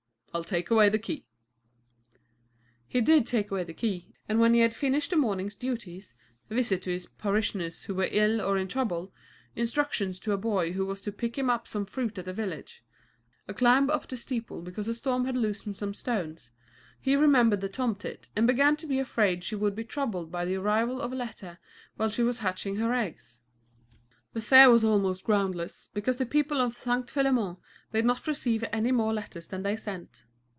I'll take away the key." He did take away the key, and when he had finished the morning's duties visits to his parishioners who were ill or in trouble; instructions to a boy who was to pick him out some fruit at the village: a climb up the steeple because a storm had loosened some stones, he remembered the tomtit and began to be afraid she would be troubled by the arrival of a letter while she was hatching her eggs. The fear was almost groundless, because the people of St. Philémon did not receive any more letters than they sent.